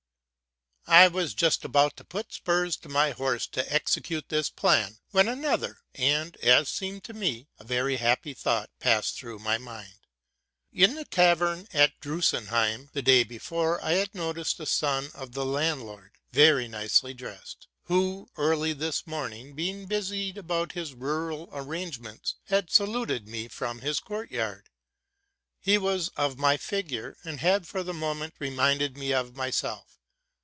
I was just about to put spurs to my horse to execute this plan, when another, and, as seemed to me, very happy thought, passed through my mind. In the tavern at Drusenheim, the day before, I had noticed a son of the landlord very nicely dressed, who, early this morning, being busied about his rural arrangements, had saluted me from his court yard. He was of my figure, and had for the mome ont reminded me of myself.